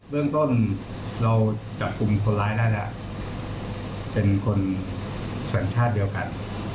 เรื่องต้นเราจับกลุ่มคนร้ายได้แล้วเป็นคนสัญชาติเดียวกัน